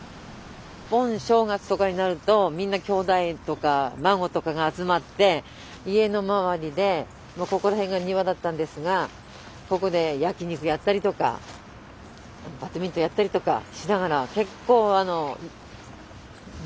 盆正月とかになるとみんなきょうだいとか孫とかが集まって家の周りでここら辺が庭だったんですがここで焼き肉やったりとかバドミントンやったりとかしながら結構有名なにぎやかなうちだった。